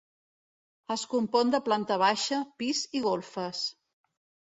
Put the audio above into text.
Es compon de planta baixa, pis i golfes.